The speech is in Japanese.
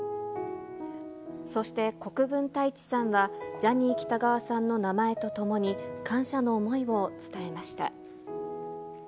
そして国分太一さんは、ジャニー喜多川さんの名前ととも感謝しきれないよ。